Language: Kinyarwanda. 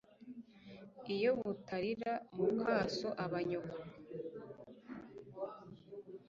iyo butarira mukaso aba nyoko